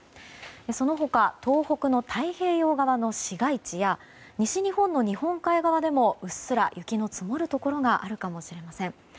その他東北の太平洋側の市街地や西日本の日本海側でもうっすら雪の積もるところがあるかもしれません。